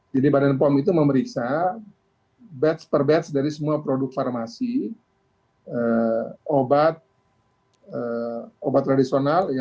jadi badan pom itu memeriksa batch per batch dari semua produk farmasi obat tradisional